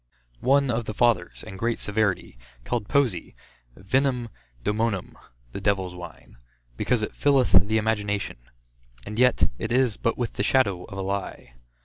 One of the fathers, in great severity, called poesy vinum doemonum, [the devils wine] because it filleth the imagination; and yet, it is but with the shadow of a lie.